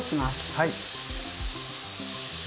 はい。